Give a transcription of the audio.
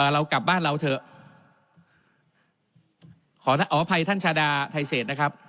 เรากลับบ้านเราเถอะขอขออภัยท่านชาดาไทเศษนะครับ